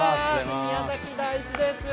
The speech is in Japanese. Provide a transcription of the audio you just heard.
宮崎大地です。